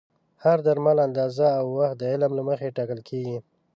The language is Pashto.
د هر درمل اندازه او وخت د علم له مخې ټاکل کېږي.